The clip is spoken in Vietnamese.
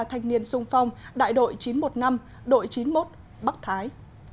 thanh niên sung phong đại đội chín trăm một mươi năm đội chín mươi một bắc thái